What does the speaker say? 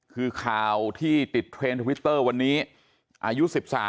คือข่าวที่ติดเทรนด์ทวิตเตอร์วันนี้อายุ๑๓